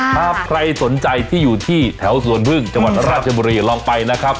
ถ้าใครสนใจที่อยู่ที่แถวสวนพึ่งจังหวัดราชบุรีลองไปนะครับ